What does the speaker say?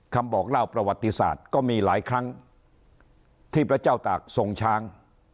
คำบอกเล่าประวัติศาสตร์ก็มีหลายครั้งที่พระเจ้าตากทรงช้าง